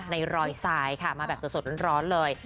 ในรอยทรายค่ะมาแบบสดร้อนเลย